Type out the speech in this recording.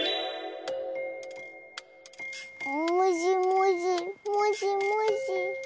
もじもじもじもじ。